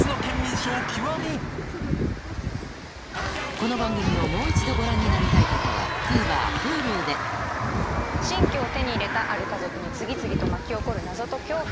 この番組をもう一度ご覧になりたい方はＴＶｅｒＨｕｌｕで新居を手に入れたある家族に次々と巻き起こる謎と恐怖。